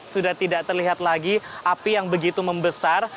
sudah tidak terlihat lagi api yang begitu membesar